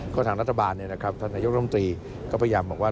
ก็ทางรัฐบาลเนี่ยนะครับท่านรัฐมนตรีก็พยายามบอกว่า